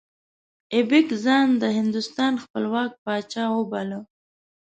ایبک ځان د هندوستان خپلواک پاچا وباله.